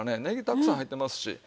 ねぎたくさん入ってますし。